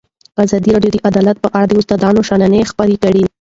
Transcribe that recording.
ازادي راډیو د عدالت په اړه د استادانو شننې خپرې کړي.